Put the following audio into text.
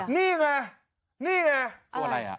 นี่ไงนี่ไง